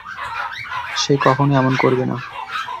সে কখনো এমন করবে না।